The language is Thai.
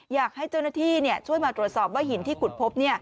อยากให้เจ้าหน้าที่ช่วยมาตรวจสอบว่าหินที่ขุดพบ